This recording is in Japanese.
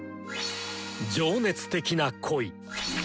情熱的な恋。